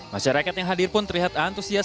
masyarakat yang hadir pun terlihat antusias